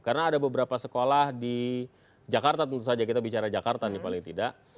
karena ada beberapa sekolah di jakarta tentu saja kita bicara jakarta nih paling tidak